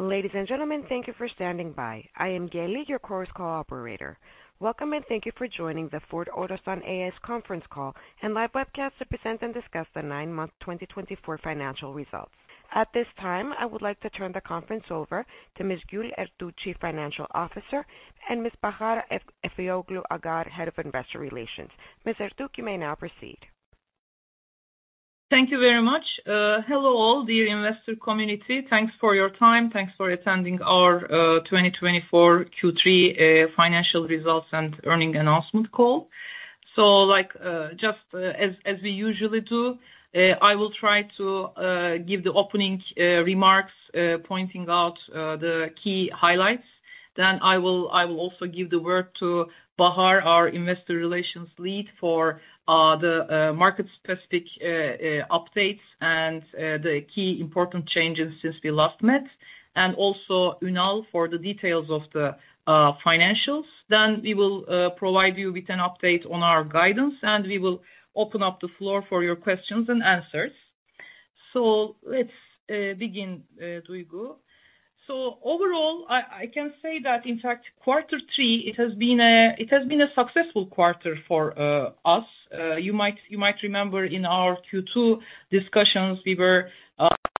Ladies and gentlemen, thank you for standing by. I am Gayley, your Chorus Call operator. Welcome, and thank you for joining the Ford Otosan A.Ş. Conference Call and Live Webcast to present and discuss the 9-month 2024 financial results. At this time, I would like to turn the conference over to Ms. Gül Ertuğ, Chief Financial Officer, and Ms. Bahar Efeoğlu Ağar, Head of Investor Relations. Ms. Ertuğ, you may now proceed. Thank you very much. Hello, all dear investor community. Thanks for your time. Thanks for attending our 2024 Q3 financial results and earnings announcement call. Like, just as we usually do, I will try to give the opening remarks, pointing out the key highlights. I will also give the word to Bahar, our investor relations lead for the market-specific updates and the key important changes since we last met, and also Ünal for the details of the financials. We will provide you with an update on our guidance, and we will open up the floor for your questions and answers. Let's begin, Duygu. Overall, I can say that in fact quarter three, it has been a successful quarter for us. You might remember in our Q2 discussions, we were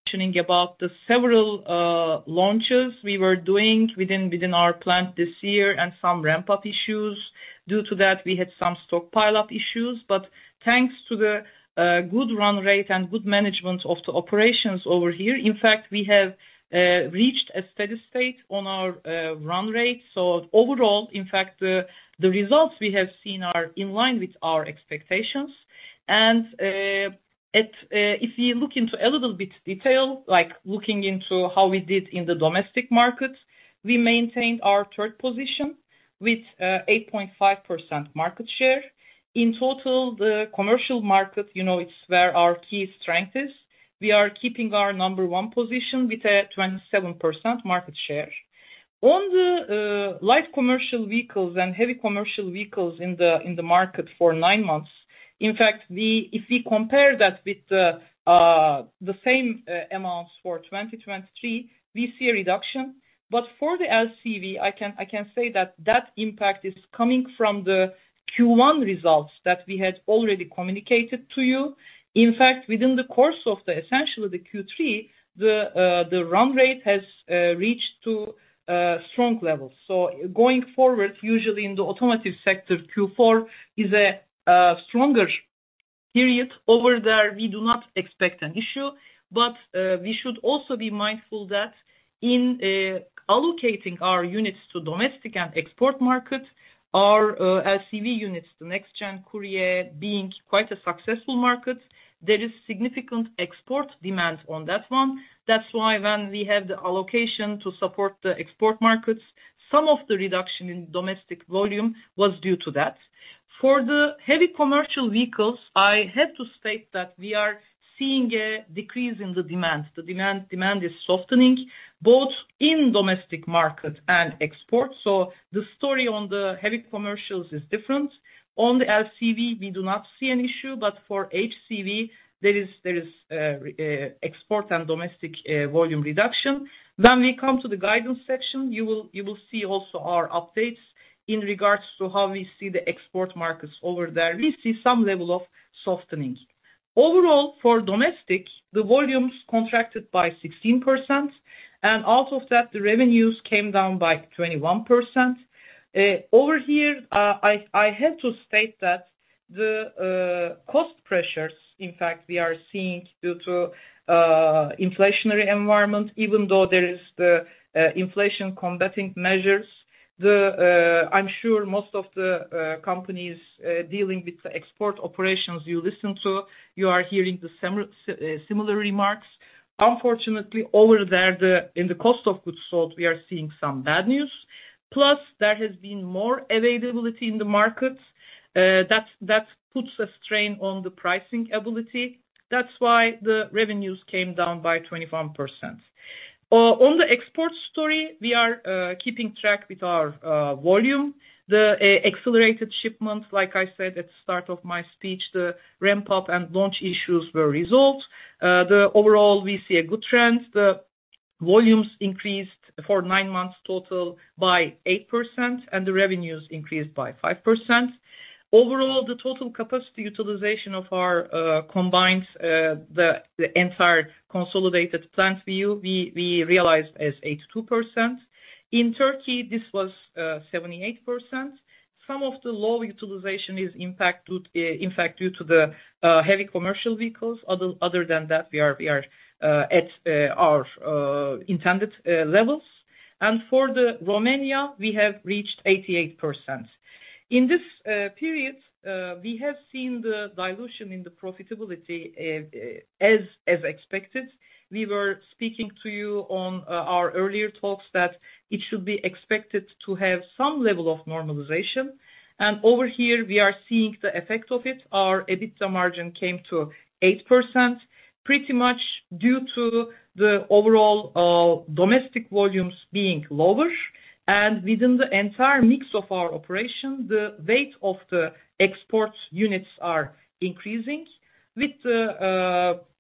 mentioning about the several launches we were doing within our plant this year and some ramp up issues. Due to that, we had some stockpile up issues. Thanks to the good run rate and good management of the operations over here, in fact, we have reached a steady state on our run rate. Overall, in fact, the results we have seen are in line with our expectations. If you look into a little bit detail, like looking into how we did in the domestic markets, we maintained our third position with 8.5% market share. In total, the commercial market, you know, it's where our key strength is. We are keeping our number one position with a 27% market share. On the light commercial vehicles and heavy commercial vehicles in the market for nine months. In fact, if we compare that with the same amounts for 2023, we see a reduction. For the LCV, I can say that that impact is coming from the Q1 results that we had already communicated to you. In fact, within the course of essentially the Q3, the run rate has reached to strong levels. Going forward, usually in the automotive sector, Q4 is a stronger period. Over there, we do not expect an issue, but we should also be mindful that in allocating our units to domestic and export markets, our LCV units, the Next-Gen Courier being quite a successful market, there is significant export demand on that one. That's why when we have the allocation to support the export markets, some of the reduction in domestic volume was due to that. For the heavy commercial vehicles, I have to state that we are seeing a decrease in the demand. The demand is softening both in domestic market and export. The story on the heavy commercials is different. On the LCV, we do not see an issue, but for HCV there is export and domestic volume reduction. When we come to the guidance section, you will see also our updates in regards to how we see the export markets over there. We see some level of softening. Overall, for domestic, the volumes contracted by 16%, and out of that, the revenues came down by 21%. Over here, I have to state that the cost pressures, in fact, we are seeing due to inflationary environment, even though there is the inflation combating measures. I'm sure most of the companies dealing with the export operations you listen to, you are hearing the similar remarks. Unfortunately, over there, in the cost of goods sold, we are seeing some bad news. Plus, there has been more availability in the markets. That puts a strain on the pricing ability. That's why the revenues came down by 21%. On the export story, we are keeping track with our volume. Accelerated shipments, like I said at start of my speech, the ramp up and launch issues were resolved. Overall, we see a good trend. The volumes increased for nine months total by 8%, and the revenues increased by 5%. Overall, the total capacity utilization of our combined, the entire consolidated plant view, we realized as 82%. In Turkey, this was 78%. Some of the low utilization is impacted due, in fact, due to the heavy commercial vehicles. Other than that, we are at our intended levels. For Romania, we have reached 88%. In this period, we have seen the dilution in the profitability, as expected. We were speaking to you on our earlier talks that it should be expected to have some level of normalization. Over here we are seeing the effect of it. Our EBITDA margin came to 8%, pretty much due to the overall domestic volumes being lower. Within the entire mix of our operation, the weight of the export units are increasing with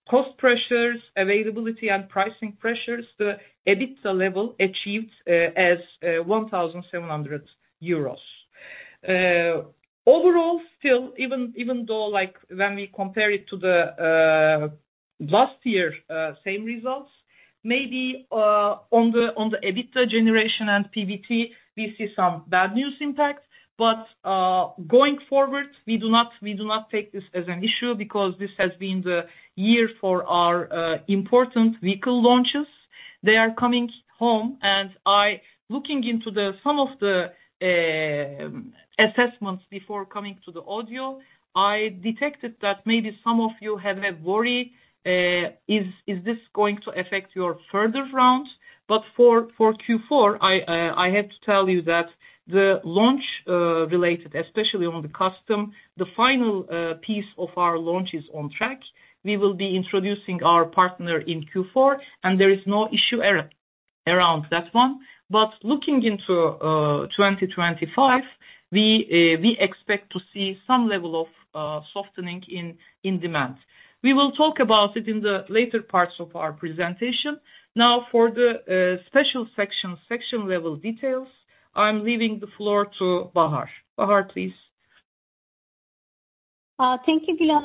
cost pressures, availability and pricing pressures, the EBITDA level achieved as 1,700 euros. Overall, still, even though like when we compare it to the last year same results, maybe on the EBITDA generation and PBT, we see some bad news impacts. Going forward, we do not take this as an issue because this has been the year for our important vehicle launches. They are coming home and looking into some of the assessments before coming to the audio, I detected that maybe some of you have a worry, is this going to affect your further rounds? For Q4, I had to tell you that the launch related, especially on the Custom, the final piece of our launch is on track. We will be introducing our partner in Q4, and there is no issue around that one. Looking into 2025, we expect to see some level of softening in demand. We will talk about it in the later parts of our presentation. Now for the special section level details, I'm leaving the floor to Bahar. Bahar, please. Thank you, Gül.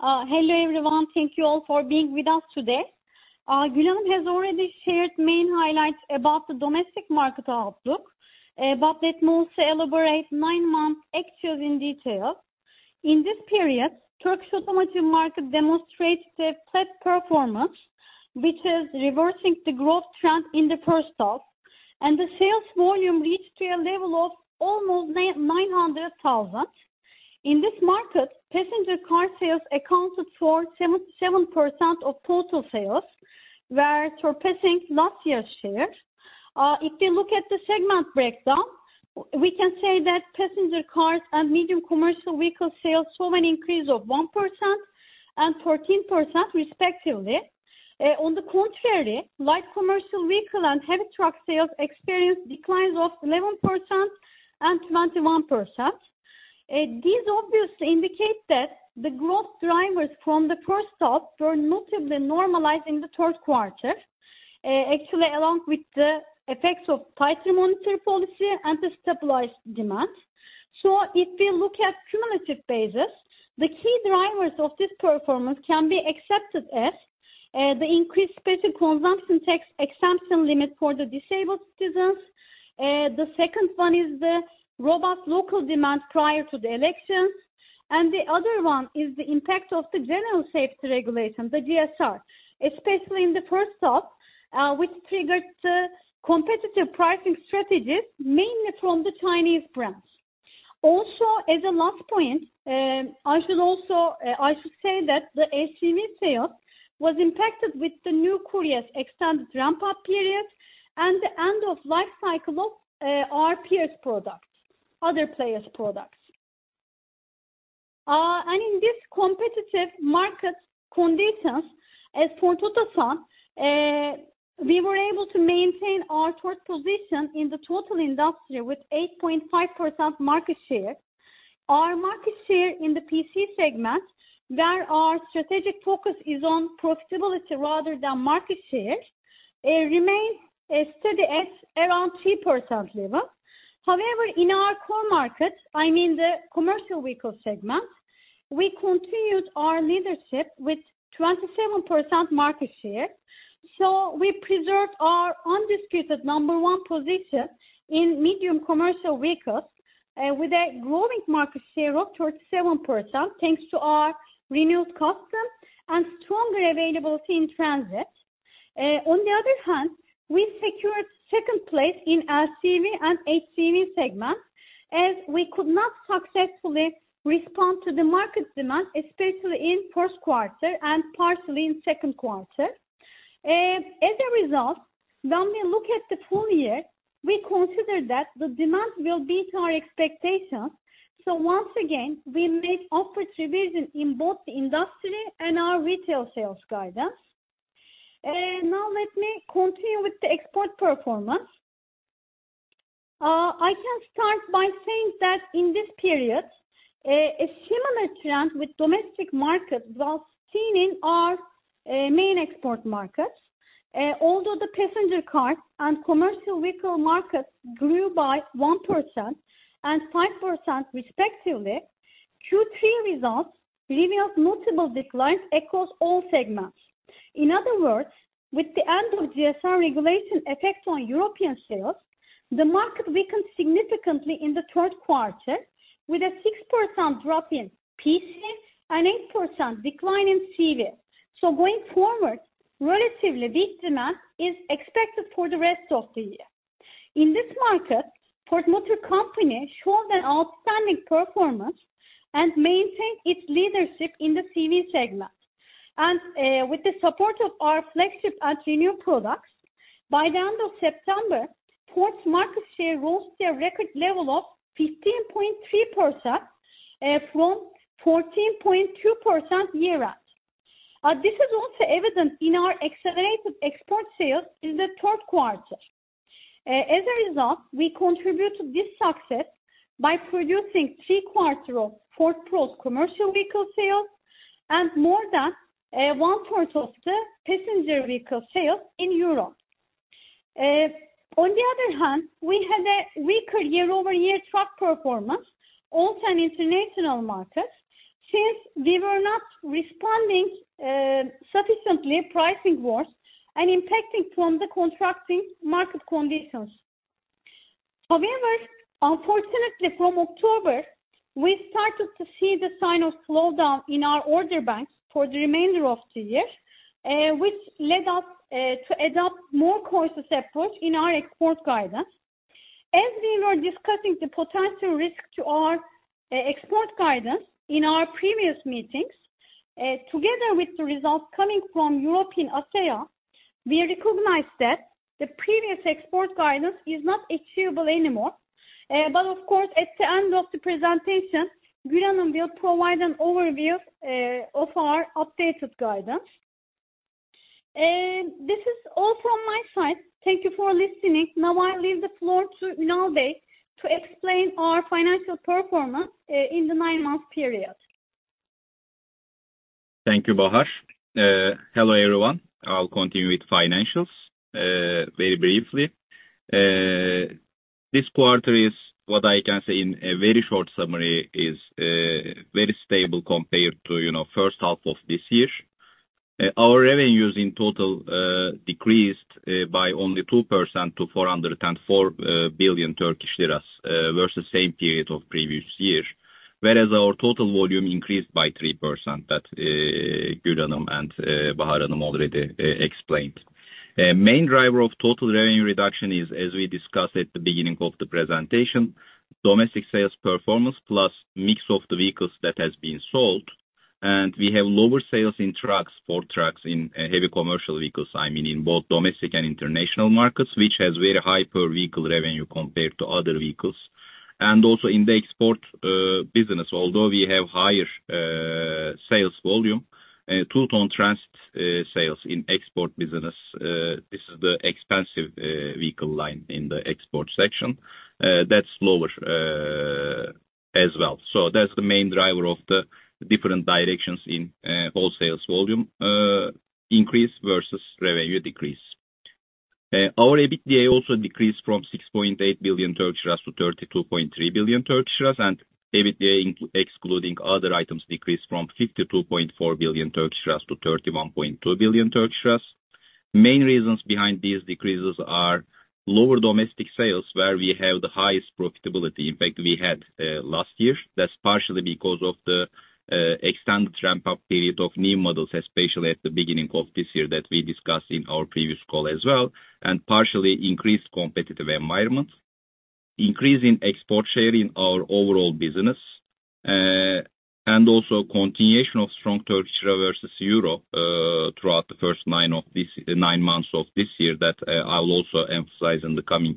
Hello, everyone. Thank you all for being with us today. Gül has already shared main highlights about the domestic market outlook. Let me also elaborate nine-month actuals in detail. In this period, Turkish automotive market demonstrates the flat performance, which is reversing the growth trend in the first half, and the sales volume reached to a level of almost 900,000. In this market, passenger car sales accounted for 77% of total sales, were surpassing last year's share. If you look at the segment breakdown, we can say that passenger cars and medium commercial vehicle sales saw an increase of 1% and 13% respectively. On the contrary, light commercial vehicle and heavy truck sales experienced declines of 11% and 21%. These obviously indicate that the growth drivers from the first half were notably normalized in the third quarter, actually, along with the effects of tighter monetary policy and the stabilized demand. If we look at cumulative basis, the key drivers of this performance can be accepted as the increased Special Consumption Tax exemption limit for the disabled citizens. The second one is the robust local demand prior to the election, and the other one is the impact of the General Safety Regulation, the GSR, especially in the first half, which triggered the competitive pricing strategies, mainly from the Chinese brands. As a last point, I should say that the HCV sales was impacted with the new Courier's extended ramp-up periods and the end-of-life cycle of other players' products. In this competitive market conditions, as for Otosan, we were able to maintain our fourth position in the total industry with 8.5% market share. Our market share in the PC segment, where our strategic focus is on profitability rather than market share, remains steady at around 3% level. However, in our core market, I mean, the commercial vehicle segment, we continued our leadership with 27% market share. We preserved our undisputed number one position in medium commercial vehicles with a growing market share of 27%, thanks to our renewed Custom and stronger availability in Transit. On the other hand, we secured second place in LCV and HCV segments, as we could not successfully respond to the market demand, especially in first quarter and partially in second quarter. As a result, when we look at the full year, we consider that the demand will beat our expectations. Once again, we made upward revision in both the industry and our retail sales guidance. Now let me continue with the export performance. I can start by saying that in this period, a similar trend with domestic markets was seen in our main export markets. Although the passenger car and commercial vehicle markets grew by 1% and 5% respectively, Q3 results revealed multiple declines across all segments. In other words, with the end of GSR regulation effects on European sales, the market weakened significantly in the third quarter, with a 6% drop in PC and 8% decline in CV. Going forward, relatively weak demand is expected for the rest of the year. In this market, Ford Motor Company showed an outstanding performance and maintained its leadership in the CV segment. With the support of our flagship and new products, by the end of September, Ford's market share rose to a record level of 15.3%, from 14.2% year-on-year. This is also evident in our accelerated export sales in the third quarter. As a result, we contribute to this success by producing three-quarters of Ford Pro's commercial vehicle sales and more than one-fourth of the passenger vehicle sales in Europe. On the other hand, we had a weaker year-over-year truck performance, also in international markets, since we were not responding sufficiently to pricing wars and impacted by the contracting market conditions. However, unfortunately from October, we started to see the sign of slowdown in our order banks for the remainder of the year, which led us to adopt more cautious approach in our export guidance. As we were discussing the potential risk to our export guidance in our previous meetings, together with the results coming from European ACEA, we recognize that the previous export guidance is not achievable anymore. Of course, at the end of the presentation, Gül will provide an overview of our updated guidance. This is all from my side. Thank you for listening. Now, I leave the floor to Ünal Bey to explain our financial performance in the nine-month period. Thank you, Bahar. Hello, everyone. I'll continue with financials very briefly. This quarter is what I can say in a very short summary is very stable compared to, you know, first half of this year. Our revenues in total decreased by only 2% to 404 billion Turkish lira versus same period of previous year, whereas our total volume increased by 3%. That, Gül and Bahar already explained. Main driver of total revenue reduction is, as we discussed at the beginning of the presentation, domestic sales performance plus mix of the vehicles that has been sold. We have lower sales in trucks, Ford Trucks in heavy commercial vehicles, I mean, in both domestic and international markets, which has very high per vehicle revenue compared to other vehicles. Also in the export business, although we have higher sales volume, two-tonne Transit sales in export business, this is the expensive vehicle line in the export section, that's lower as well. That's the main driver of the different directions in all sales volume increase versus revenue decrease. Our EBITDA also decreased from 6.8 billion to 32.3 billion, and EBITDA excluding other items decreased from 52.4 billion to 31.2 billion. Main reasons behind these decreases are lower domestic sales, where we have the highest profitability impact we had last year. That's partially because of the extended ramp-up period of new models, especially at the beginning of this year, that we discussed in our previous call as well, and partially increased competitive environment. Increase in export share in our overall business, and also continuation of strong Turkish lira versus euro, throughout the first nine months of this year that I will also emphasize in the coming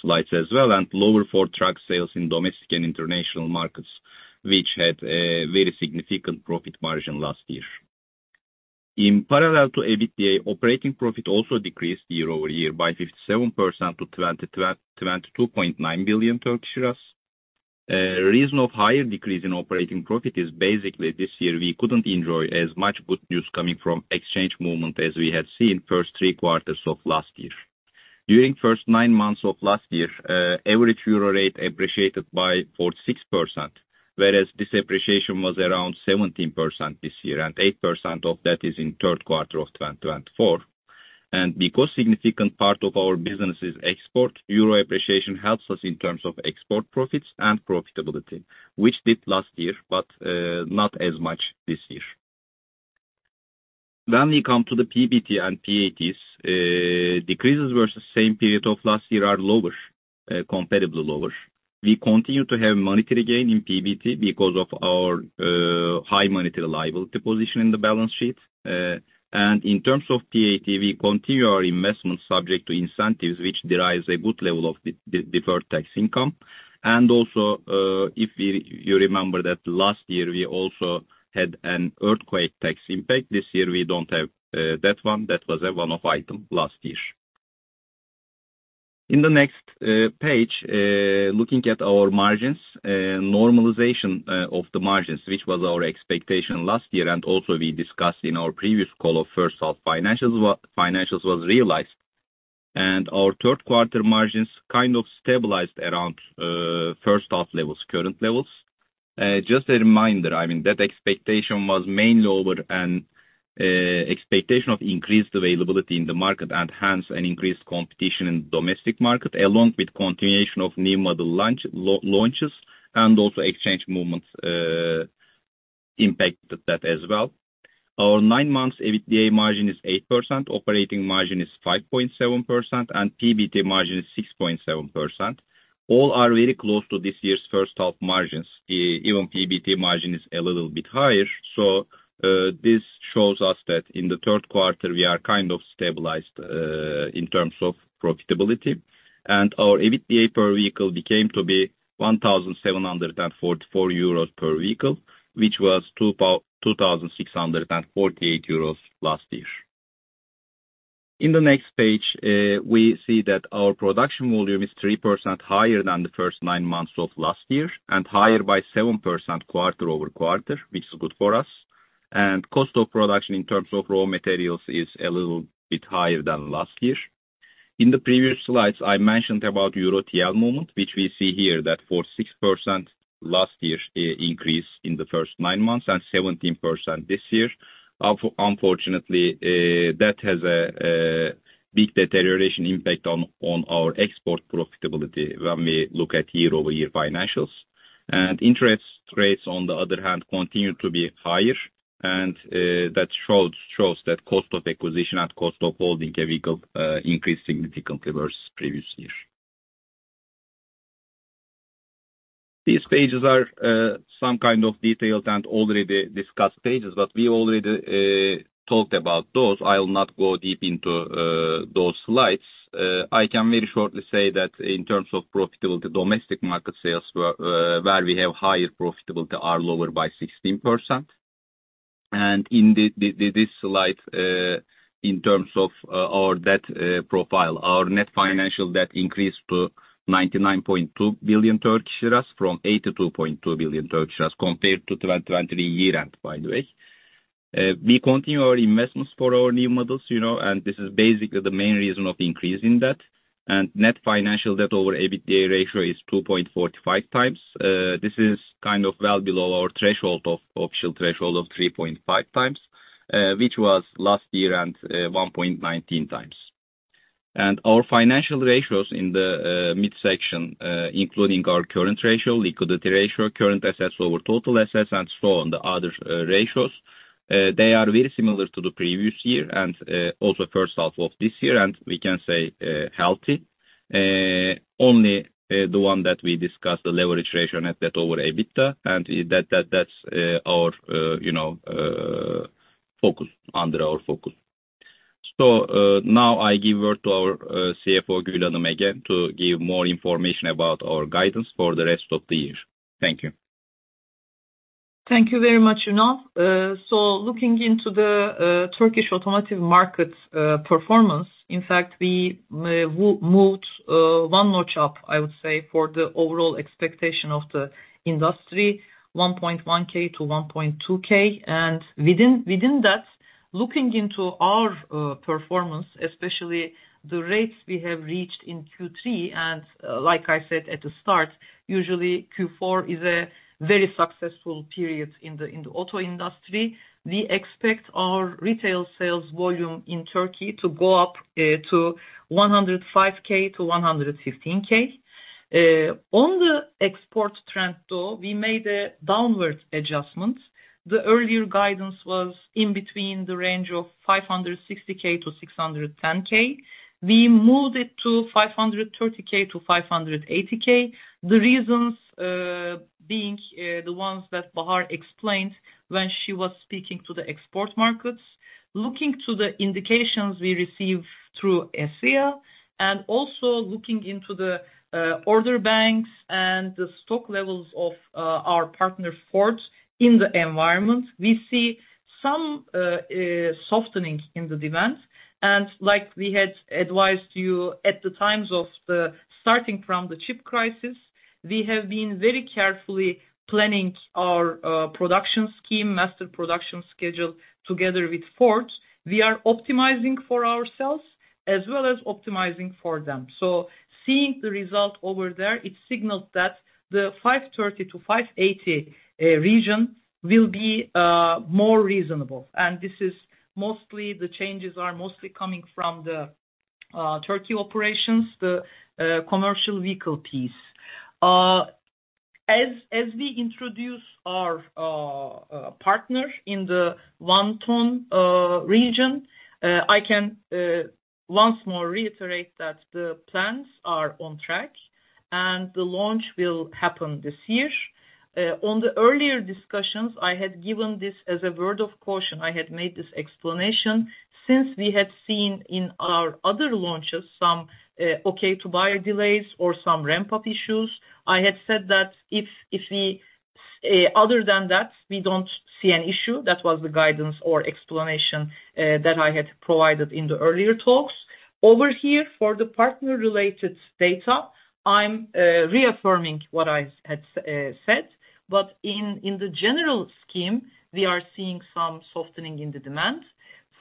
slides as well, and lower Ford truck sales in domestic and international markets, which had a very significant profit margin last year. In parallel to EBITDA, operating profit also decreased year-over-year by 57% to 22.9 billion. Reason of higher decrease in operating profit is basically this year we couldn't enjoy as much good news coming from exchange movement as we had seen first three quarters of last year. During first nine months of last year, average euro rate appreciated by 4%-6%, whereas this appreciation was around 17% this year, and 8% of that is in third quarter of 2024. Because significant part of our business is export, euro appreciation helps us in terms of export profits and profitability, which did last year, but not as much this year. We come to the PBT and PATs. Decreases versus same period of last year are lower, comparably lower. We continue to have monetary gain in PBT because of our high monetary liability position in the balance sheet. In terms of PAT, we continue our investment subject to incentives which derives a good level of deferred tax income. If you remember that last year we also had an earthquake tax impact. This year, we don't have that one. That was a one-off item last year. In the next page, looking at our margins, normalization of the margins, which was our expectation last year, and also we discussed in our previous call of first half financials was realized. Our third quarter margins kind of stabilized around first half levels, current levels. Just a reminder, I mean, that expectation was mainly over an expectation of increased availability in the market and hence an increased competition in domestic market, along with continuation of new model launches and also exchange movements impacted that as well. Our nine months EBITDA margin is 8%, operating margin is 5.7%, and PBT margin is 6.7%. All are very close to this year's first half margins. Even PBT margin is a little bit higher. This shows us that in the third quarter we are kind of stabilized in terms of profitability. Our EBITDA per vehicle became to be 1,744 euros per vehicle, which was 2,648 euros last year. In the next page, we see that our production volume is 3% higher than the first nine months of last year, and higher by 7% quarter-over-quarter, which is good for us. Cost of production in terms of raw materials is a little bit higher than last year. In the previous slides, I mentioned about euro TL movement, which we see here that for 6% last year increase in the first nine months and 17% this year. Unfortunately, that has a big deterioration impact on our export profitability when we look at year-over-year financials. Interest rates, on the other hand, continue to be higher, and that shows that cost of acquisition and cost of holding a vehicle increased significantly versus previous year. These pages are some kind of details and already discussed pages, but we already talked about those. I'll not go deep into those slides. I can very shortly say that in terms of profitability, domestic market sales were where we have higher profitability are lower by 16%. In this slide, in terms of our debt profile, our net financial debt increased to 99.2 billion Turkish lira from 82.2 billion Turkish lira compared to 2020 year end, by the way. We continue our investments for our new models, you know, and this is basically the main reason of increase in debt. Net financial debt over EBITDA ratio is 2.45 times. This is kind of well below our threshold of official threshold of 3.5 times, which was last year and 1.19 times. Our financial ratios in the midsection, including our current ratio, liquidity ratio, current assets over total assets, and so on the other ratios, they are very similar to the previous year and also first half of this year, and we can say healthy. Only the one that we discussed, the leverage ratio, net debt over EBITDA, and that's our focus under our focus. Now I give word to our CFO, Gül Ertuğ again, to give more information about our guidance for the rest of the year. Thank you. Thank you very much, Ünal. Looking into the Turkish automotive market performance, in fact, we moved one notch up, I would say, for the overall expectation of the industry, 1.1K-1.2K. Within that, looking into our performance, especially the rates we have reached in Q3, like I said at the start, usually Q4 is a very successful period in the auto industry. We expect our retail sales volume in Turkey to go up to 105K-115K. On the export trend though, we made a downward adjustment. The earlier guidance was in between the range of 560K-610K. We moved it to 530K-580K. The reasons being the ones that Bahar explained when she was speaking to the export markets. Looking to the indications we receive through ACEA, and also looking into the order banks and the stock levels of our partner, Ford, in the environment, we see some softening in the demand. Like we had advised you at the times of the starting from the chip crisis, we have been very carefully planning our production scheme, master production schedule together with Ford. We are optimizing for ourselves as well as optimizing for them. Seeing the result over there, it signals that the 530-580 region will be more reasonable. This is mostly the changes are mostly coming from the Turkey operations, the commercial vehicle piece. As we introduce our partner in the one ton region, I can once more reiterate that the plans are on track and the launch will happen this year. On the earlier discussions, I had given this as a word of caution. I had made this explanation. Since we had seen in our other launches some okay-to-buy delays or some ramp-up issues, I had said that if other than that, we don't see an issue, that was the guidance or explanation that I had provided in the earlier talks. Over here, for the partner-related data, I'm reaffirming what I had said. In the general scheme, we are seeing some softening in the demand.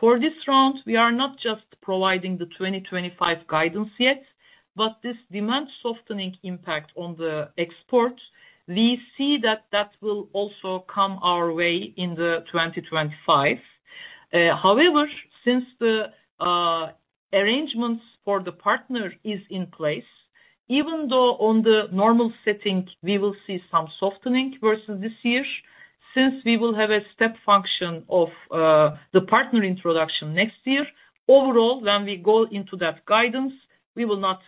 For this round, we are not just providing the 2025 guidance yet, but this demand softening impact on the export, we see that will also come our way in the 2025. However, since the arrangements for the partner is in place, even though on the normal setting, we will see some softening versus this year, since we will have a step function of the partner introduction next year, overall, when we go into that guidance, we will not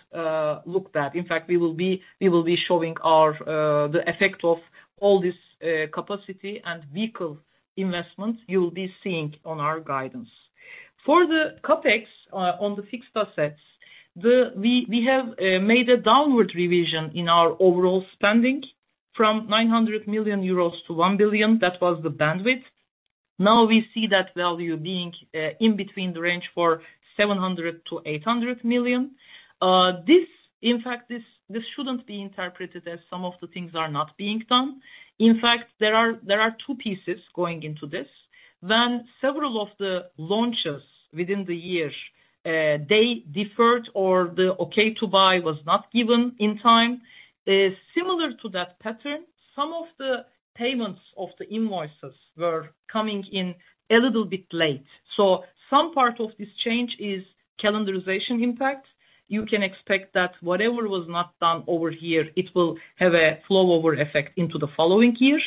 look back. In fact, we will be showing our the effect of all this capacity and vehicle investments you will be seeing on our guidance. For the CapEx on the fixed assets, we have made a downward revision in our overall spending. From 900 million euros to 1 billion, that was the bandwidth. Now we see that value being in between the range for 700 million-800 million. This in fact shouldn't be interpreted as some of the things are not being done. In fact, there are two pieces going into this. When several of the launches within the year, they deferred or the okay-to-buy was not given in time. Similar to that pattern, some of the payments of the invoices were coming in a little bit late. Some part of this change is calendarization impact. You can expect that whatever was not done over here, it will have a flow over effect into the following year.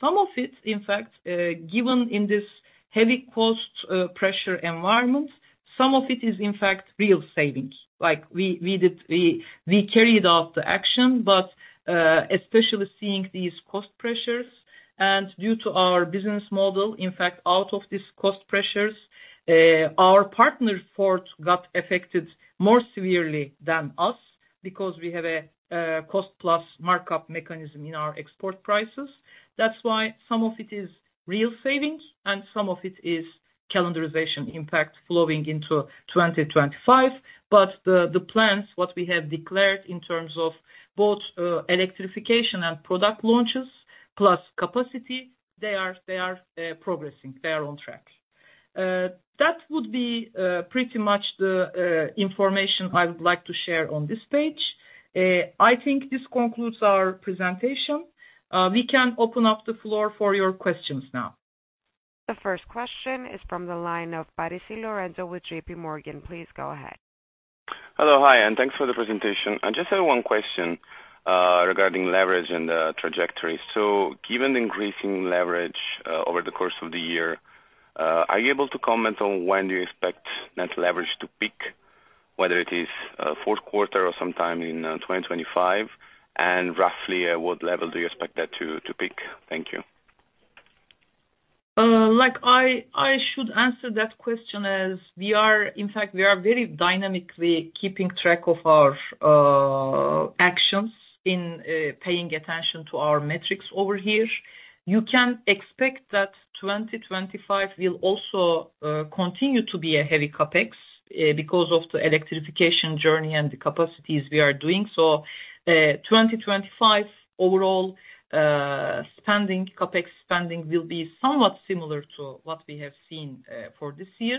Some of it, in fact, given in this heavy cost pressure environment, some of it is in fact real savings. Like we carried out the action, but especially seeing these cost pressures and due to our business model, in fact, out of these cost pressures, our partners got affected more severely than us because we have a cost-plus markup mechanism in our export prices. That's why some of it is real savings and some of it is calendarization impact flowing into 2025. The plans, what we have declared in terms of both electrification and product launches plus capacity, they are progressing. They are on track. That would be pretty much the information I would like to share on this page. I think this concludes our presentation. We can open up the floor for your questions now. The first question is from the line of Lorenzo Parisi with JPMorgan. Please go ahead. Hello. Hi, and thanks for the presentation. I just have one question regarding leverage and trajectory. Given the increasing leverage over the course of the year, are you able to comment on when you expect net leverage to peak, whether it is fourth quarter or sometime in 2025? And roughly at what level do you expect that to peak? Thank you. Like I should answer that question as we are, in fact, very dynamically keeping track of our actions in paying attention to our metrics over here. You can expect that 2025 will also continue to be a heavy CapEx because of the electrification journey and the capacities we are doing. 2025 overall spending, CapEx spending will be somewhat similar to what we have seen for this year.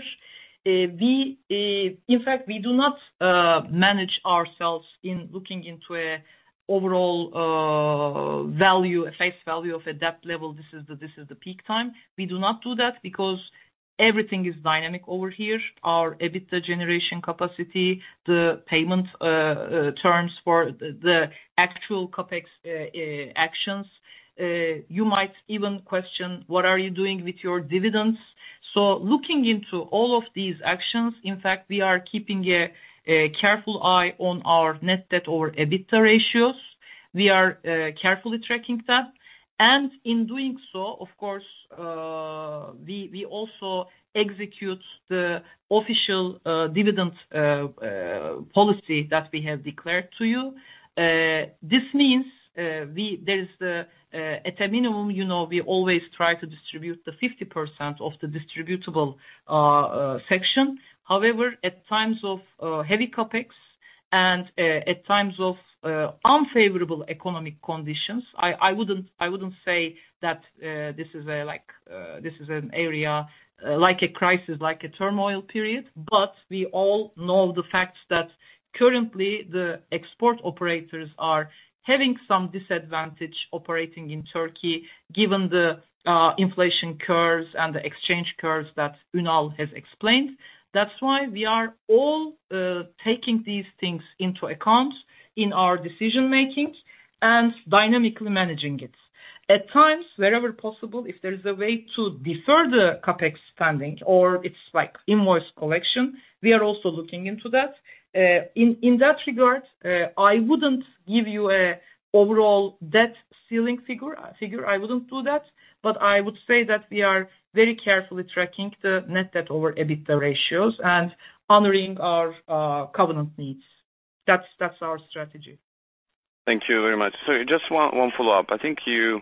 In fact, we do not manage ourselves in looking into a overall value, a face value of a debt level. This is the peak time. We do not do that because everything is dynamic over here. Our EBITDA generation capacity, the payment terms for the actual CapEx actions, you might even question what are you doing with your dividends. Looking into all of these actions, in fact, we are keeping a careful eye on our net debt to EBITDA ratios. We are carefully tracking that. In doing so, of course, we also execute the official dividend policy that we have declared to you. This means, there is the, at a minimum, you know, we always try to distribute the 50% of the distributable section. However, at times of heavy CapEx and at times of unfavorable economic conditions, I wouldn't say that this is an area like a crisis, like a turmoil period. We all know the fact that currently the export operators are having some disadvantage operating in Turkey given the inflation curves and the exchange curves that Ünal has explained. That's why we are all taking these things into account in our decision-making and dynamically managing it. At times, wherever possible, if there is a way to defer the CapEx spending or it's like invoice collection, we are also looking into that. In that regard, I wouldn't give you a overall debt ceiling figure. I wouldn't do that. I would say that we are very carefully tracking the net debt to EBITDA ratios and honoring our covenant needs. That's our strategy. Thank you very much. Just one follow-up. I think you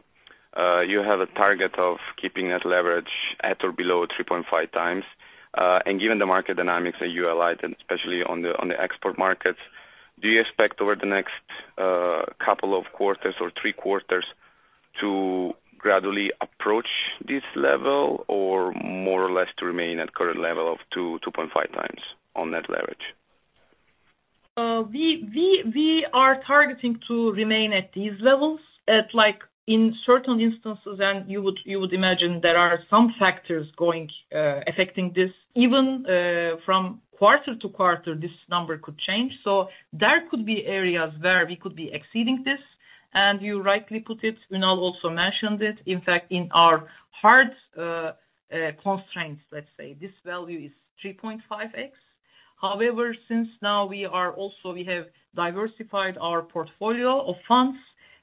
have a target of keeping that leverage at or below 3.5x. Given the market dynamics that you outlined, especially on the export markets, do you expect over the next couple of quarters or three quarters to gradually approach this level or more or less to remain at current level of 2.5x on net leverage? We are targeting to remain at these levels, like in certain instances. You would imagine there are some factors going, affecting this. Even from quarter to quarter, this number could change. There could be areas where we could be exceeding this. You rightly put it, Ünal also mentioned it. In fact, in our hard constraints, let's say this value is 3.5x. However, since now we are also, we have diversified our portfolio of funds.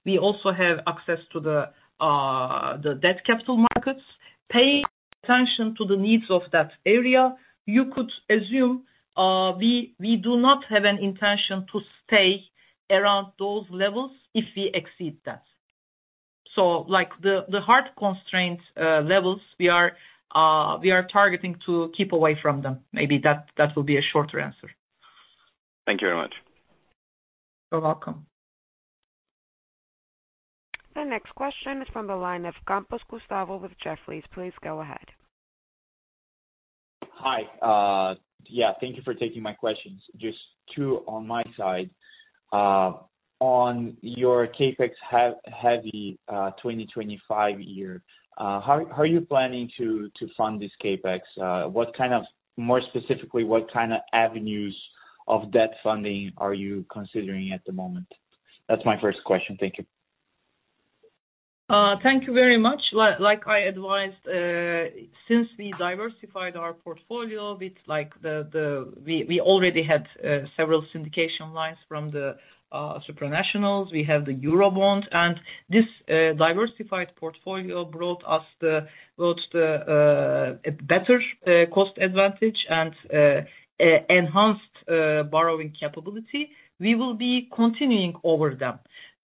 We also have access to the debt capital markets, paying attention to the needs of that area. You could assume, we do not have an intention to stay around those levels if we exceed that. Like the hard constraints levels we are targeting to keep away from them. Maybe that will be a shorter answer. Thank you very much. You're welcome. The next question is from the line of Gustavo Campos with Jefferies. Please go ahead. Hi. Yeah, thank you for taking my questions. Just two on my side. On your CapEx-heavy 2025 year, how are you planning to fund this CapEx? More specifically, what kind of avenues of debt funding are you considering at the moment? That's my first question. Thank you. Thank you very much. Like I advised, since we diversified our portfolio with like we already had several syndication lines from the supranationals. We have the Eurobond and this diversified portfolio brought us the better cost advantage and enhanced borrowing capability. We will be continuing over them.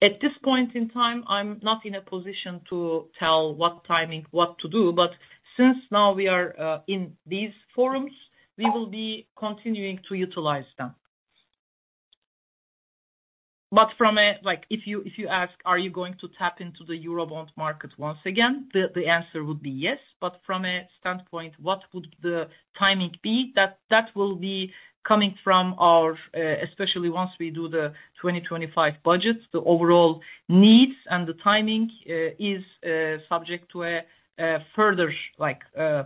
At this point in time, I'm not in a position to tell what timing, what to do, but since now we are in these forums, we will be continuing to utilize them. From a like if you ask, "Are you going to tap into the Eurobond market once again?" The answer would be yes. From a standpoint, what would the timing be? That will be coming from our, especially once we do the 2025 budget. The overall needs and the timing is subject to a further like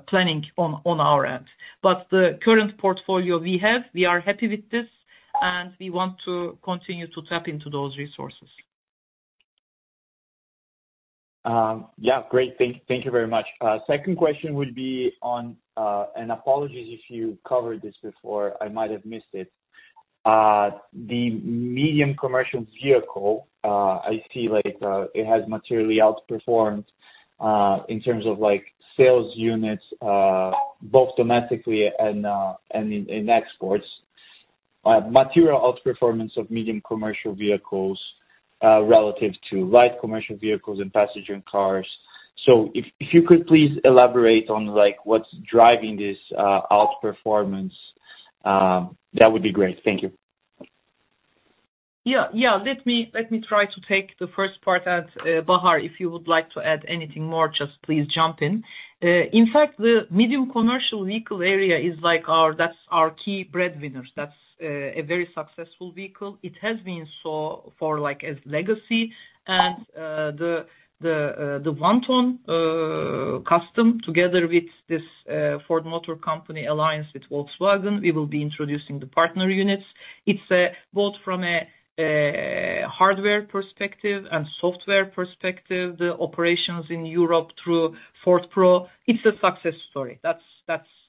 planning on our end. The current portfolio we have, we are happy with this, and we want to continue to tap into those resources. Yeah. Great. Thank you very much. Second question would be on, and apologies if you covered this before, I might have missed it. The medium commercial vehicle, I see like, it has materially outperformed, in terms of like sales units, both domestically and in exports. Material outperformance of medium commercial vehicles, relative to light commercial vehicles and passenger cars. If you could please elaborate on like what's driving this outperformance, that would be great. Thank you. Let me try to take the first part and, Bahar, if you would like to add anything more, just please jump in. In fact, the medium commercial vehicle area is like our key breadwinners. That's a very successful vehicle. It has been so for like as legacy and the one-ton Custom together with this Ford Motor Company alliance with Volkswagen, we will be introducing the partner units. It's both from a hardware perspective and software perspective, the operations in Europe through Ford Pro, it's a success story. That's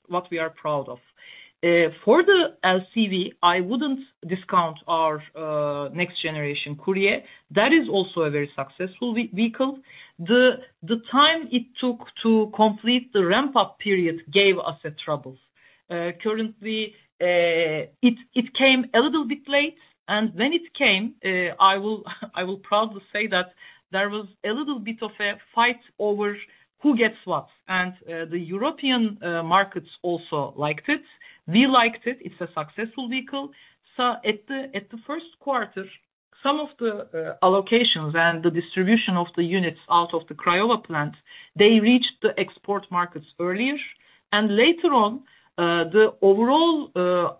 what we are proud of. For the LCV, I wouldn't discount our next generation Courier. That is also a very successful vehicle. The time it took to complete the ramp-up period gave us troubles. Currently, it came a little bit late, and when it came, I will proudly say that there was a little bit of a fight over who gets what. The European markets also liked it. We liked it. It's a successful vehicle. At the first quarter, some of the allocations and the distribution of the units out of the Craiova plant, they reached the export markets earlier. Later on, the overall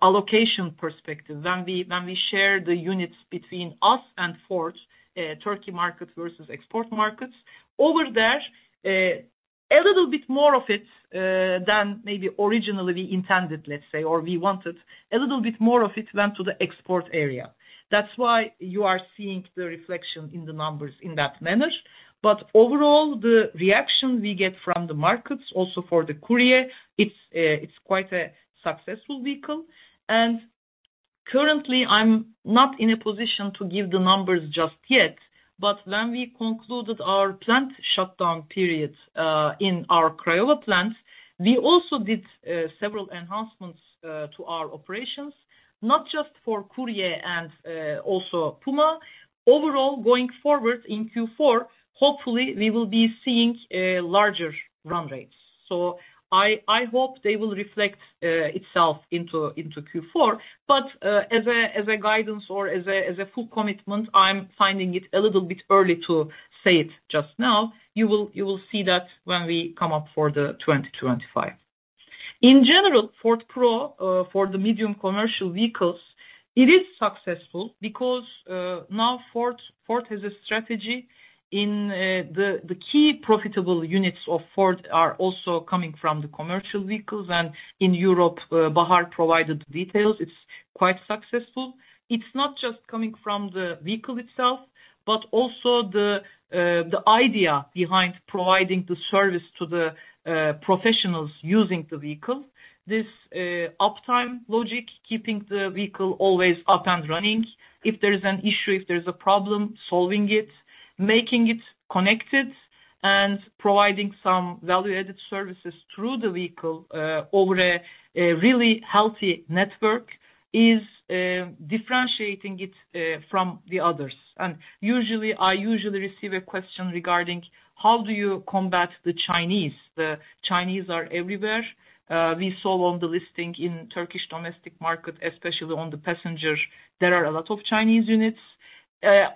allocation perspective, when we share the units between us and Ford, Turkey market versus export markets, over there, a little bit more of it than maybe originally we intended, let's say, or we wanted a little bit more of it went to the export area. That's why you are seeing the reflection in the numbers in that manner. Overall, the reaction we get from the markets also for the Courier, it's quite a successful vehicle. Currently, I'm not in a position to give the numbers just yet, but when we concluded our plant shutdown periods in our Craiova plants, we also did several enhancements to our operations, not just for Courier and also Puma. Overall, going forward in Q4, hopefully, we will be seeing larger run rates. I hope they will reflect itself into Q4. As a guidance or as a full commitment, I'm finding it a little bit early to say it just now. You will see that when we come up for 2025. In general, Ford Pro, for the medium commercial vehicles, it is successful because, now Ford has a strategy in, the key profitable units of Ford are also coming from the commercial vehicles. In Europe, Bahar provided the details. It's quite successful. It's not just coming from the vehicle itself, but also the idea behind providing the service to the professionals using the vehicle. This uptime logic, keeping the vehicle always up and running. If there's an issue, if there's a problem, solving it, making it connected and providing some value-added services through the vehicle, over a really healthy network is differentiating it from the others. Usually, I receive a question regarding how do you combat the Chinese? The Chinese are everywhere. We saw on the listing in Turkish domestic market, especially on the passenger, there are a lot of Chinese units.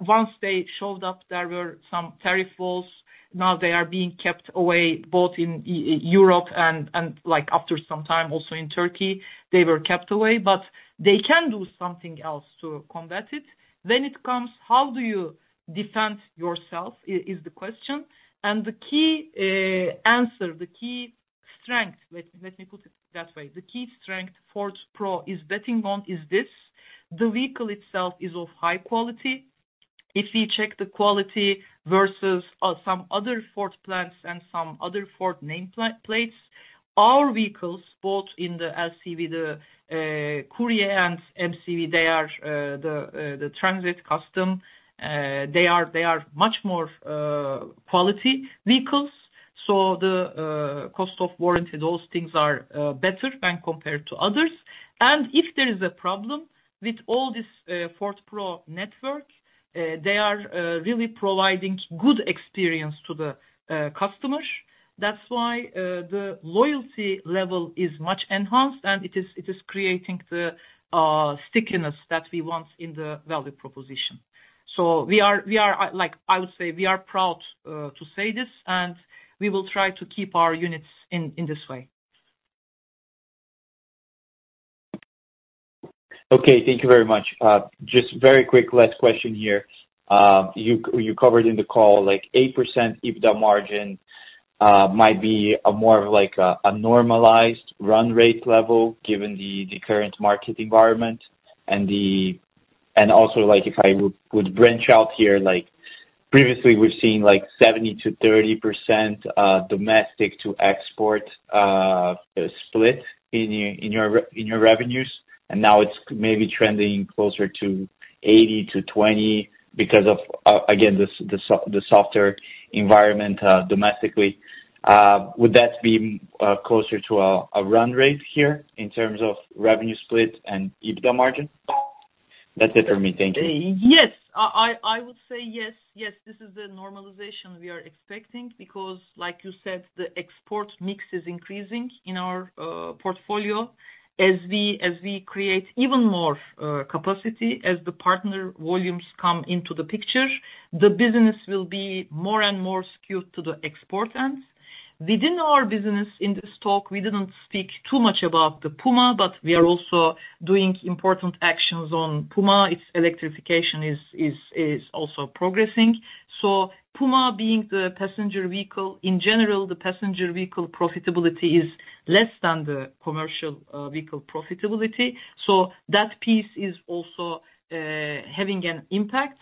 Once they showed up, there were some tariff wars. Now they are being kept away both in Europe and, like after some time also in Turkey, they were kept away. They can do something else to combat it. It comes how do you defend yourself, is the question. The key answer, the key strength, let me put it that way. The key strength Ford Pro is betting on is this, the vehicle itself is of high quality. If you check the quality versus some other Ford plants and some other Ford nameplates, our vehicles, both in the LCV, the Courier and MCV, they are the Transit Custom, they are much more quality vehicles. The cost of warranty, those things are better when compared to others. If there is a problem with all this Ford Pro network, they are really providing good experience to the customers. That's why the loyalty level is much enhanced, and it is creating the stickiness that we want in the value proposition. We are, like I would say, proud to say this, and we will try to keep our units in this way. Okay. Thank you very much. Just very quick last question here. You covered in the call, like 8% EBITDA margin might be more of like a normalized run rate level given the current market environment. Also, like if I would branch out here, like previously we've seen like 70%-30% domestic to export split in your revenues, and now it's maybe trending closer to 80%-20% because of again the softer environment domestically. Would that be closer to a run rate here in terms of revenue split and EBITDA margin? That's it from me. Thank you. Yes. I would say yes. Yes, this is the normalization we are expecting because like you said, the export mix is increasing in our portfolio. As we create even more capacity, as the partner volumes come into the picture, the business will be more and more skewed to the export end. Within our business in this talk, we didn't speak too much about the Puma, but we are also doing important actions on Puma. Its electrification is also progressing. Puma being the passenger vehicle, in general, the passenger vehicle profitability is less than the commercial vehicle profitability. That piece is also having an impact.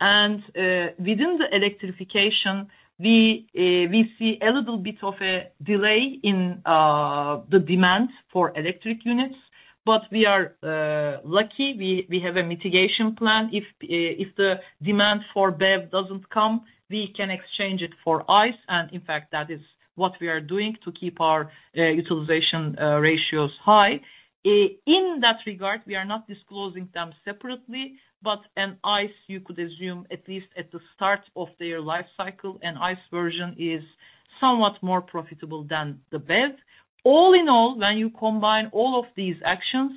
Within the electrification we see a little bit of a delay in the demand for electric units. We are lucky, we have a mitigation plan. If the demand for BEV doesn't come, we can exchange it for ICE. In fact, that is what we are doing to keep our utilization ratios high. In that regard, we are not disclosing them separately, but an ICE you could assume, at least at the start of their life cycle, an ICE version is somewhat more profitable than the BEV. All in all, when you combine all of these actions,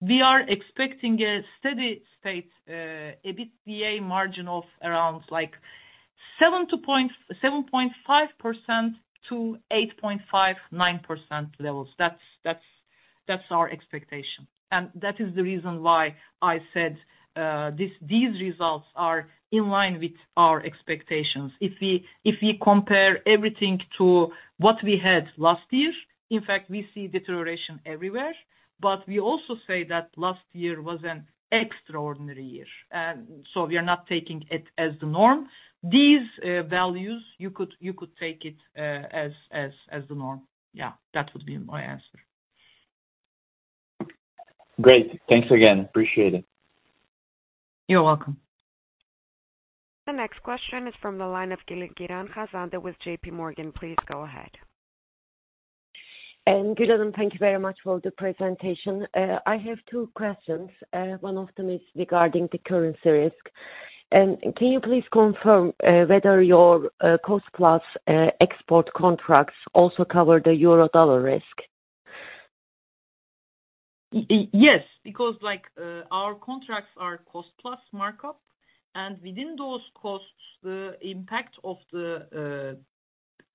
we are expecting a steady state EBITDA margin of around like 7%-7.5% to 8.5%-9% levels. That's our expectation. That is the reason why I said these results are in line with our expectations. If we compare everything to what we had last year, in fact, we see deterioration everywhere. We also say that last year was an extraordinary year, and so we are not taking it as the norm. These values, you could take it as the norm. Yeah. That would be my answer. Great. Thanks again. Appreciate it. You're welcome. The next question is from the line of Giran Hazandaroglu with JPMorgan. Please go ahead. Gül, thank you very much for the presentation. I have two questions. One of them is regarding the currency risk. Can you please confirm whether your cost plus export contracts also cover the euro-dollar risk? Yes, because like, our contracts are cost-plus markup, and within those costs the impact of the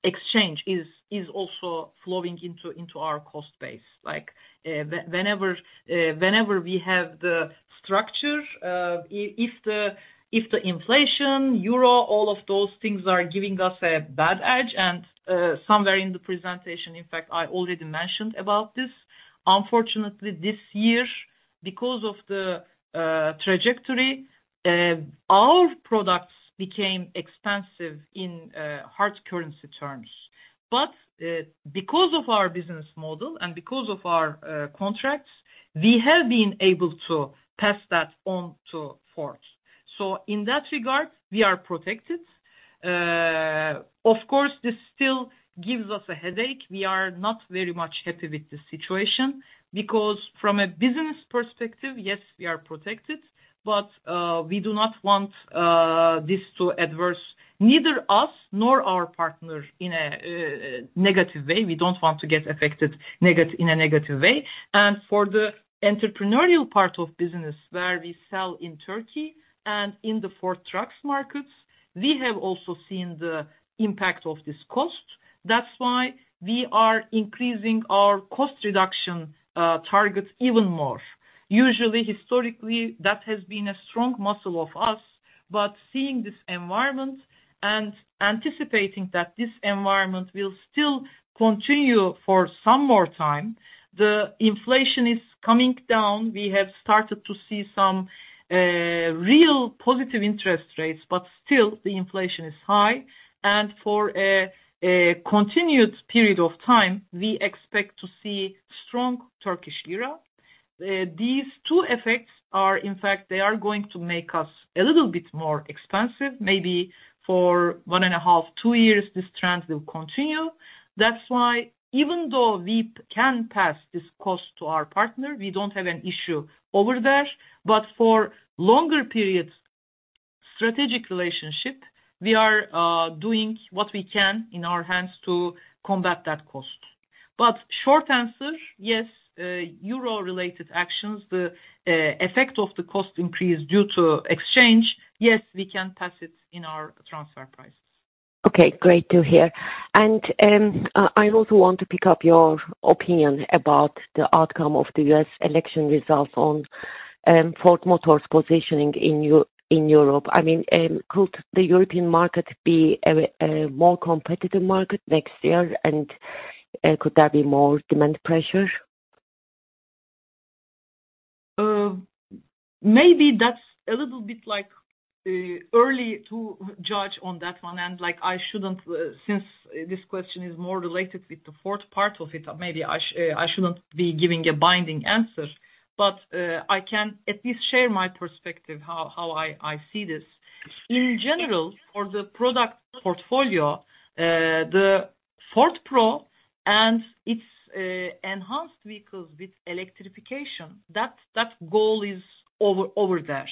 exchange is also flowing into our cost base. Like, whenever we have the structure, if the inflation, euro, all of those things are giving us a bad edge and somewhere in the presentation, in fact, I already mentioned about this. Unfortunately this year because of the trajectory, our products became expensive in hard currency terms. Because of our business model and because of our contracts, we have been able to pass that on to Ford. In that regard, we are protected. Of course, this still gives us a headache. We are not very much happy with this situation because from a business perspective, yes, we are protected, but we do not want this to adversely affect neither us nor our partner in a negative way. We don't want to get affected in a negative way. For the entrepreneurial part of business where we sell in Turkey and in the Ford Trucks markets, we have also seen the impact of this cost. That's why we are increasing our cost reduction targets even more. Usually, historically, that has been a strong muscle of us. Seeing this environment and anticipating that this environment will still continue for some more time, the inflation is coming down. We have started to see some real positive interest rates, but still the inflation is high. For a continued period of time, we expect to see strong Turkish lira. These two effects are in fact going to make us a little bit more expensive. Maybe for 1.5-2 years this trend will continue. That's why even though we can pass this cost to our partner, we don't have an issue over there. For longer periods, strategic relationship, we are doing what we can in our hands to combat that cost. Short answer, yes, Euro-related actions, the effect of the cost increase due to exchange, yes, we can pass it in our transfer prices. Okay, great to hear. I also want to pick up your opinion about the outcome of the U.S. election results on Ford Motor's positioning in Europe. I mean, could the European market be a more competitive market next year and could there be more demand pressure? Maybe that's a little bit like early to judge on that one. Like, I shouldn't, since this question is more related with the Ford part of it, maybe I shouldn't be giving a binding answer, but I can at least share my perspective how I see this. In general, for the product portfolio, the Ford Pro and its enhanced vehicles with electrification, that goal is over there.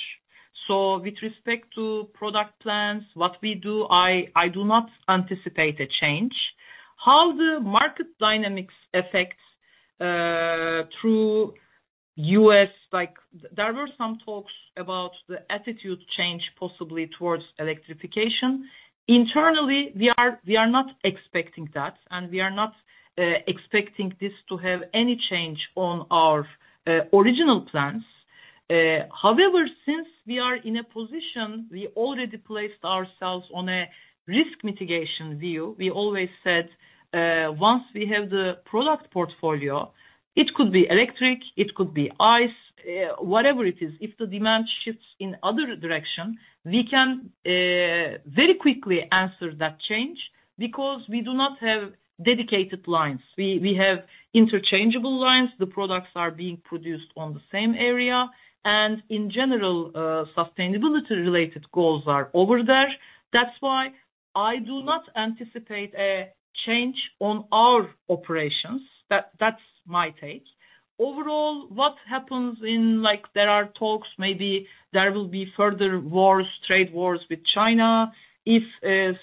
With respect to product plans, what we do, I do not anticipate a change. How the market dynamics affects through U.S. Like there were some talks about the attitude change possibly towards electrification. Internally, we are not expecting that, and we are not expecting this to have any change on our original plans. However, since we are in a position, we already placed ourselves on a risk mitigation view. We always said, once we have the product portfolio, it could be electric, it could be ICE, whatever it is. If the demand shifts in other direction, we can very quickly answer that change because we do not have dedicated lines. We have interchangeable lines. The products are being produced on the same area and in general, sustainability related goals are over there. That's why I do not anticipate a change on our operations. That's my take. Overall, what happens, like there are talks, maybe there will be further wars, trade wars with China. If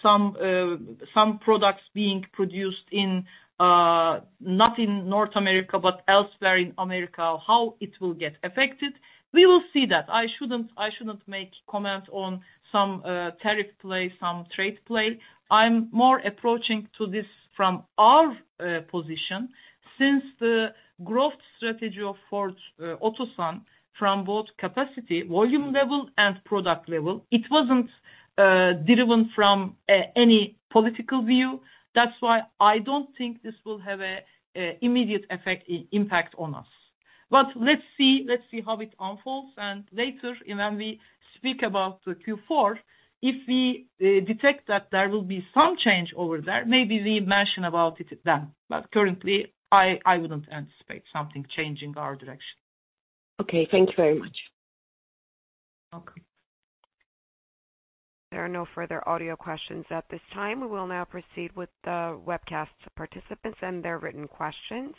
some products being produced in not in North America, but elsewhere in America, how it will get affected, we will see that. I shouldn't make comments on some tariff play, some trade play. I'm more approaching to this from our position. Since the growth strategy of Ford Otosan from both capacity, volume level and product level, it wasn't driven from any political view. That's why I don't think this will have an immediate impact on us. But let's see. Let's see how it unfolds. Later when we speak about the Q4, if we detect that there will be some change over there, maybe we mention about it then. But currently, I wouldn't anticipate something changing our direction. Okay. Thank you very much. Welcome. There are no further audio questions at this time. We will now proceed with the webcast participants and their written questions.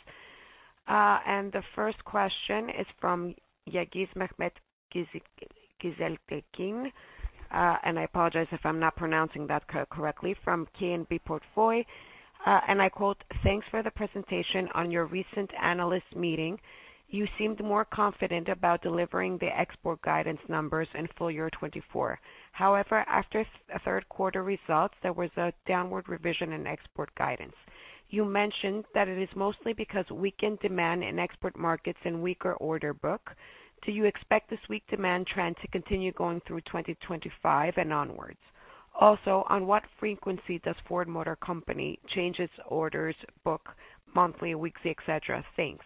The first question is from Yağız Mehmet Güzeltekin, and I apologize if I'm not pronouncing that correctly, from QNB Portföy. I quote, "Thanks for the presentation on your recent analyst meeting. You seemed more confident about delivering the export guidance numbers in full year 2024. However, after third quarter results, there was a downward revision in export guidance. You mentioned that it is mostly because weakened demand in export markets and weaker order book. Do you expect this weak demand trend to continue going through 2025 and onwards? Also, on what frequency does Ford Motor Company change its orders book? Monthly, weekly, etc. Thanks.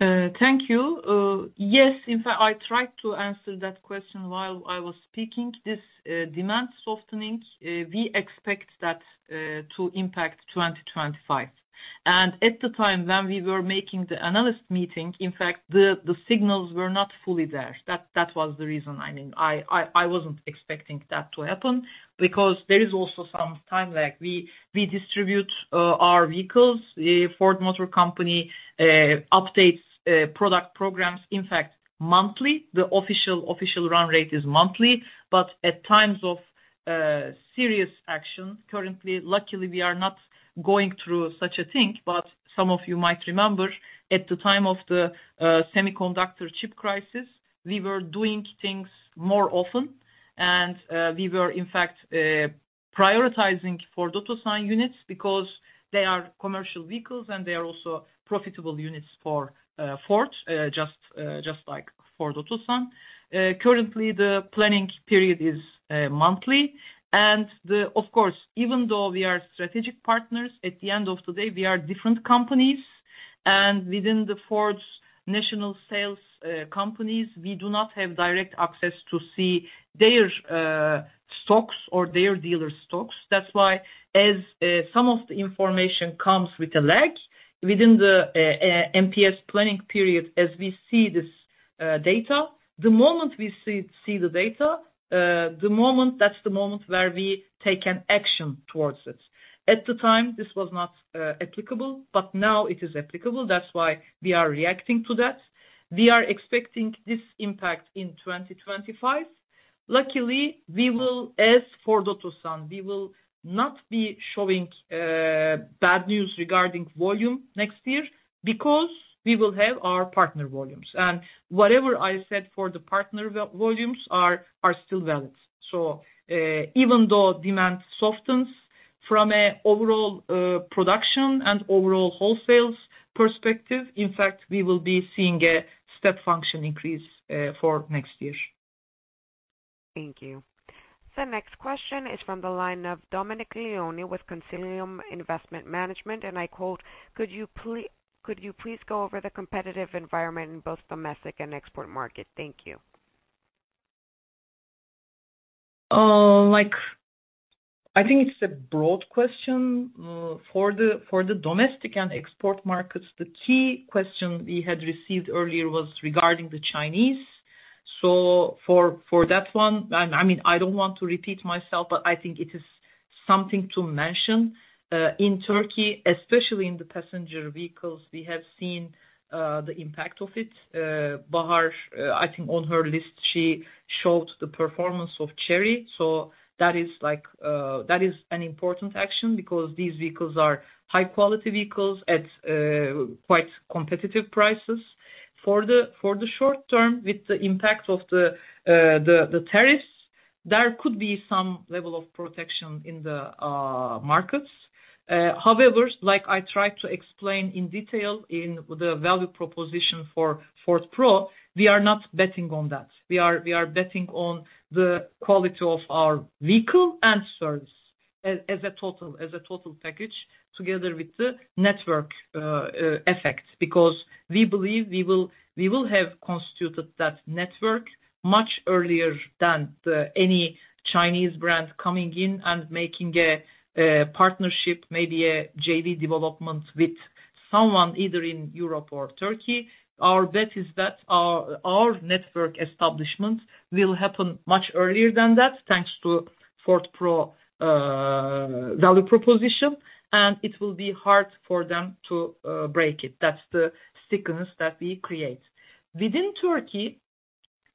Thank you. Yes, in fact, I tried to answer that question while I was speaking. This demand softening we expect that to impact 2025. At the time when we were making the analyst meeting, in fact, the signals were not fully there. That was the reason. I mean, I wasn't expecting that to happen because there is also some time lag. We distribute our vehicles. The Ford Motor Company updates product programs, in fact, monthly. The official run rate is monthly, but at times of serious action. Currently, luckily, we are not going through such a thing, but some of you might remember at the time of the semiconductor chip crisis, we were doing things more often and we were in fact prioritizing Ford Otosan units because they are commercial vehicles and they are also profitable units for Ford just like Ford Otosan. Currently the planning period is monthly. Of course, even though we are strategic partners, at the end of the day, we are different companies and within Ford's national sales companies, we do not have direct access to see their stocks or their dealer stocks. That's why as some of the information comes with a lag within the MPS planning period as we see this data. The moment we see the data, that's the moment where we take an action towards it. At the time, this was not applicable, but now it is applicable. That's why we are reacting to that. We are expecting this impact in 2025. Luckily, we will, as Ford Otosan, we will not be showing bad news regarding volume next year because we will have our partner volumes. Whatever I said for the partner volumes are still valid. Even though demand softens from a overall production and overall wholesales perspective, in fact, we will be seeing a step function increase for next year. Thank you. The next question is from the line of Dominic Leone with Consilium Investment Management. I quote, "Could you please go over the competitive environment in both domestic and export market?" Thank you. Like, I think it's a broad question. For the domestic and export markets, the key question we had received earlier was regarding the Chinese. For that one, and I mean, I don't want to repeat myself, but I think it is something to mention. In Turkey, especially in the passenger vehicles, we have seen the impact of it. Bahar, I think on her list she showed the performance of Chery. That is like an important action because these vehicles are high quality vehicles at quite competitive prices. For the short term with the impact of the tariffs, there could be some level of protection in the markets. However, like I tried to explain in detail in the value proposition for Ford Pro, we are not betting on that. We are betting on the quality of our vehicle and service as a total package together with the network effect. Because we believe we will have constituted that network much earlier than any Chinese brand coming in and making a partnership, maybe a JV development with someone either in Europe or Turkey. Our bet is that our network establishment will happen much earlier than that, thanks to Ford Pro value proposition, and it will be hard for them to break it. That's the stickiness that we create. Within Turkey,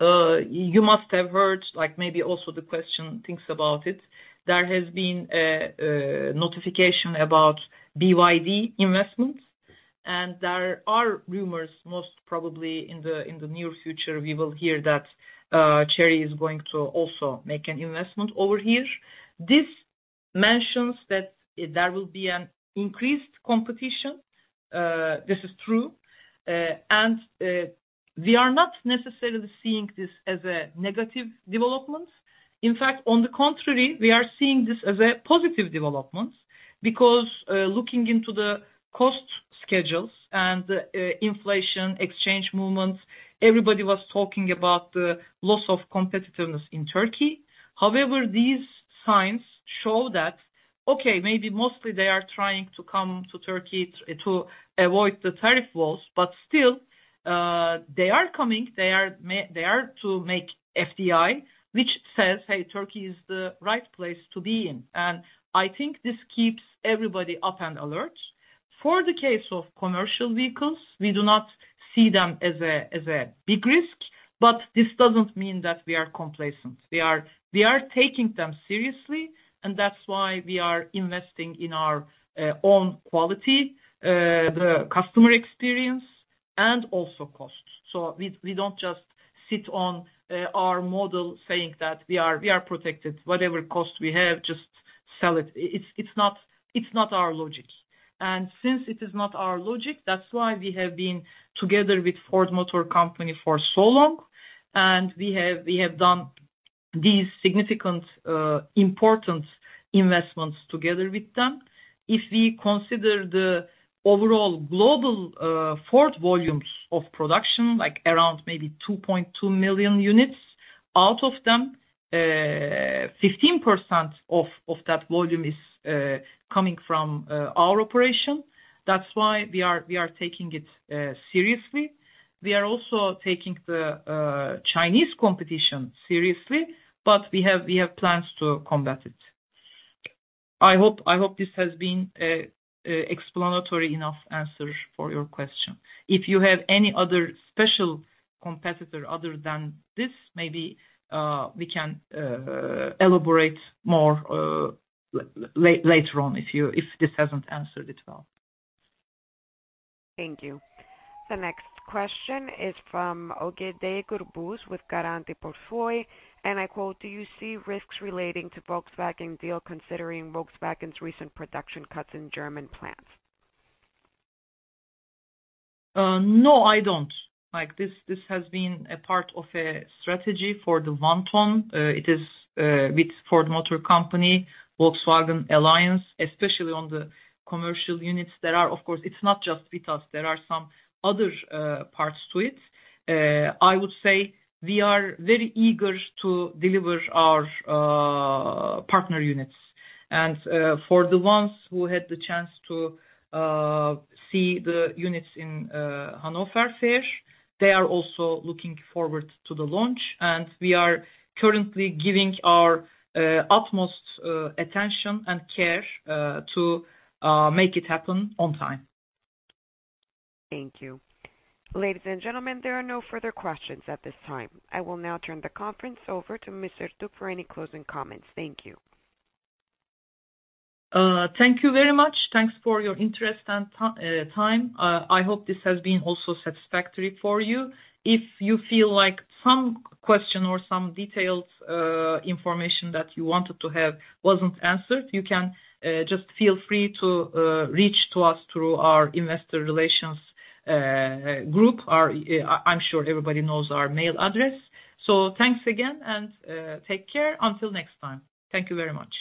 you must have heard, like maybe also the question thinks about it. There has been a notification about BYD investments, and there are rumors, most probably in the near future, we will hear that Chery is going to also make an investment over here. This mentions that there will be an increased competition. This is true. We are not necessarily seeing this as a negative development. In fact, on the contrary, we are seeing this as a positive development because looking into the cost schedules and inflation, exchange movements, everybody was talking about the loss of competitiveness in Turkey. However, these signs show that okay, maybe mostly they are trying to come to Turkey to avoid the tariff walls, but still, they are coming. They are to make FDI, which says, "Hey, Turkey is the right place to be in." I think this keeps everybody up and alert. For the case of commercial vehicles, we do not see them as a big risk, but this doesn't mean that we are complacent. We are taking them seriously, and that's why we are investing in our own quality, the customer experience and also costs. We don't just sit on our model saying that we are protected. Whatever cost we have, just sell it. It's not our logic. Since it is not our logic, that's why we have been together with Ford Motor Company for so long, and we have done these significant, important investments together with them. If we consider the overall global Ford volumes of production, like around maybe 2.2 million units, out of them, 15% of that volume is coming from our operation. That's why we are taking it seriously. We are also taking the Chinese competition seriously, but we have plans to combat it. I hope this has been an explanatory enough answer for your question. If you have any other specific competitor other than this, maybe we can elaborate more later on if this hasn't answered it well. Thank you. The next question is from Ogeday Gürbüz with Garanti Portföy, and I quote, "Do you see risks relating to Volkswagen deal considering Volkswagen's recent production cuts in German plants? No, I don't. Like, this has been a part of a strategy for the long term. It is with Ford Motor Company, Volkswagen Alliance, especially on the commercial units. There are, of course, it's not just with us, there are some other parts to it. I would say we are very eager to deliver our partner units. For the ones who had the chance to see the units in Hannover Messe, they are also looking forward to the launch, and we are currently giving our utmost attention and care to make it happen on time. Thank you. Ladies and gentlemen, there are no further questions at this time. I will now turn the conference over to Ms. Gül Ertuğ for any closing comments. Thank you. Thank you very much. Thanks for your interest and time. I hope this has been also satisfactory for you. If you feel like some question or some detailed information that you wanted to have wasn't answered, you can just feel free to reach to us through our investor relations group. I'm sure everybody knows our mail address. Thanks again and take care until next time. Thank you very much.